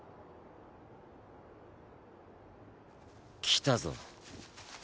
来たぞ。